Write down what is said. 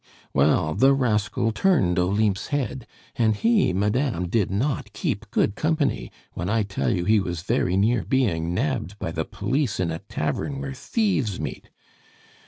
"Well, the rascal turned Olympe's head, and he, madame, did not keep good company when I tell you he was very near being nabbed by the police in a tavern where thieves meet.